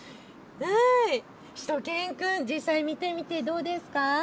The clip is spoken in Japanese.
しゅと犬くん、実際に見てみてどうですか。